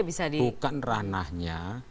ini sudah bukan ranahnya